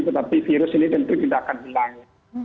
tetapi virus ini tentu tidak akan hilang